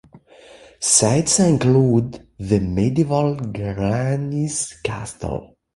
Sights include the medieval Graines Castle.